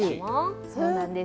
そうなんです。